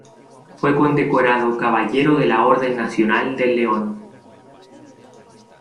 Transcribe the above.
Fue condecorado Caballero de la Orden Nacional del León.